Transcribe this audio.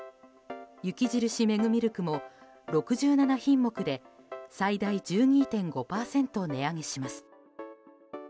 雪印メグミルクも６７品目で最大１２．５％値上げします。